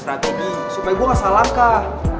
strategi supaya gue gak salah kah